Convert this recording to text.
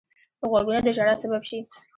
غوږونه د ژړا سبب شي